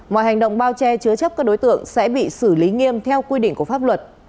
mọi hành động bao che chứa chấp các đối tượng sẽ bị xử lý nghiêm theo quy định của pháp luật